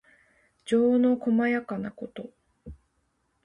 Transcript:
情のこまやかなこと。